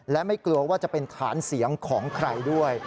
และไม่กลัวว่าจะเป็นฐานเสียงของใครด้วย